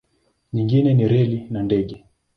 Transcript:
Nyingine ni reli na ndege.